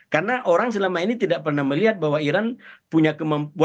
karena orang selama ini tidak pernah melihat bahwa iran punya kemampuan